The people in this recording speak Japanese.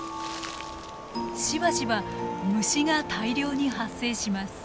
しばしば虫が大量に発生します。